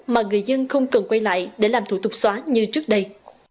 mà người dân không cần quay lại để làm thủ tục xóa như trước đây